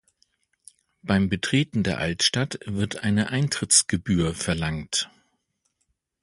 Beim Betreten der Altstadt wird eine Eintrittsgebühr verlangt.